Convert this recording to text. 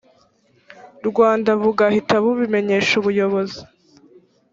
rwanda bugahita bubimenyesha ubuyobozi